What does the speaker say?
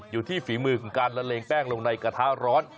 ฝีมือของการละเลงแป้งลงในกระทะร้อน